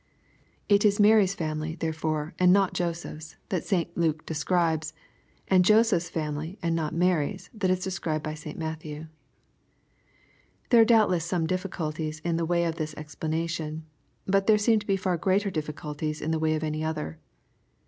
It is Mary's family, therefore, and not Joseph's, that St Luke describes, and Joseph's family, and not Mary's, that is described by St Matthew. There are doubtless some difficulties in the way of this expla^ nation. But there seem to be far greater difficulties in the way of any other.